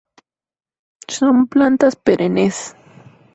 Son plantas perennes.